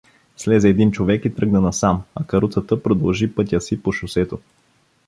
Слезе един човек и тръгна насам, а каруцата продължи пътя си по шосето.